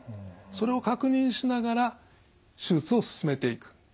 それを確認しながら手術を進めていく。